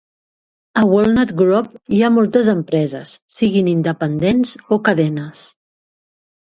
A Walnut Grove hi ha moltes empreses, siguin independents o cadenes.